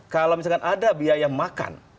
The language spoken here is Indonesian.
kalau misalkan ada biaya makan